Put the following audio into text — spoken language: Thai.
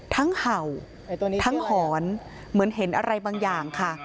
เห่าทั้งหอนเหมือนเห็นอะไรบางอย่างค่ะ